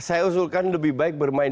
saya usulkan lebih baik bermain